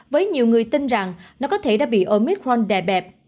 với nhiều người tin rằng nó có thể đã bị omitforn đè bẹp